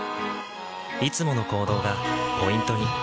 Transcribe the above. いつもの行動がポイントに。